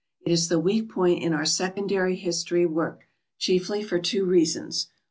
It is the weak point in our secondary history work, chiefly for two reasons: 1.